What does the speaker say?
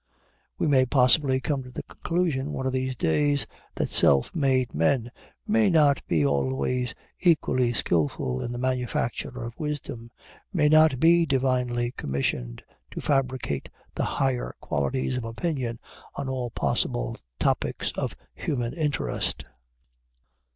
We may possibly come to the conclusion, one of these days, that self made men may not be always equally skillful in the manufacture of wisdom, may not be divinely commissioned to fabricate the higher qualities of opinion on all possible topics of human interest.